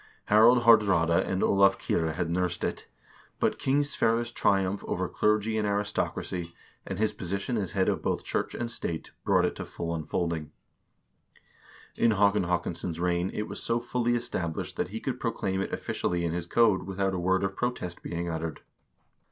Harald Haard raade and Olav Kyrre had nursed it; but King Sverre's triumph over clergy and aristocracy, and his position as head of both church and state brought it to full unfolding. In Haakon Haakonsson's reign it was so fully established that he could proclaim it officially in his code without a word of protest being uttered.